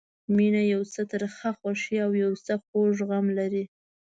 مینه یو څه ترخه خوښي او یو څه خوږ غم لري.